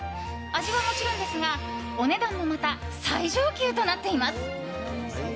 味はもちろんですがお値段もまた最上級となっています。